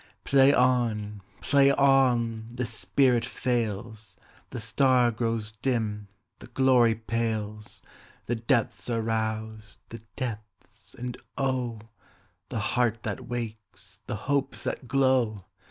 Play on! Play on! The spirit fails, The star grows dim, the glory pales, The depths are roused—the depths, and oh! The heart that wakes, the hopes that glow!